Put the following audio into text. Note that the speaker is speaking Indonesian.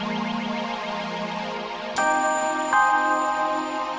mbak surti kamu sudah berhasil